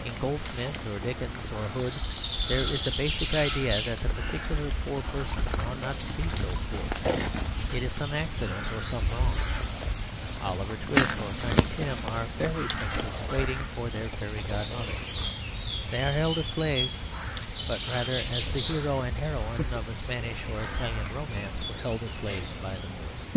In Goldsmith or Dickens or Hood there is a basic idea that the particular poor person ought not to be so poor: it is some accident or some wrong. Oliver Twist or Tiny Tim are fairy princes waiting for their fairy godmother. They are held as slaves, but rather as the hero and heroine of a Spanish or Italian romance were held as slaves by the Moors.